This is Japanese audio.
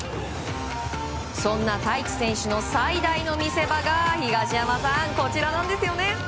そんなＴａｉｃｈｉ選手の最大の見せ場が東山さん、こちらなんですよね。